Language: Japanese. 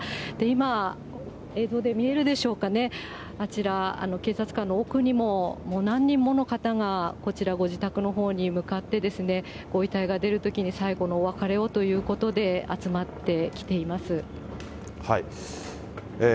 今、映像で見えるでしょうかね、あちら、警察官の奥にも、もう何人もの方が、こちら、ご自宅のほうに向かって、ご遺体が出るときに、最後のお別れをということで集まってきています。